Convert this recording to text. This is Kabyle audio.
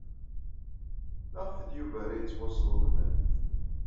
Maɣef d Yuba ara yettwasḍelmen?